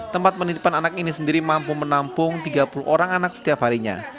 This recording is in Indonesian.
tempat penitipan anak ini sendiri mampu menampung tiga puluh orang anak setiap harinya